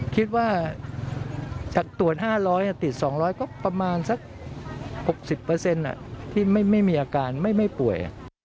คิดว่าจากตรวจ๕๐๐ติด๒๐๐ก็ประมาณสัก๖๐ที่ไม่มีอาการไม่ป่วย